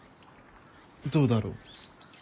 どうだろう？